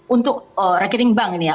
untuk rekening bank ini ya